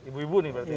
ibu ibu nih berarti